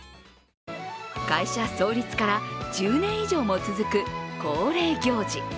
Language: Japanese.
会社創立から１０年以上も続く恒例行事。